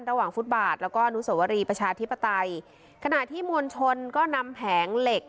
ฟุตบาทแล้วก็อนุสวรีประชาธิปไตยขณะที่มวลชนก็นำแผงเหล็ก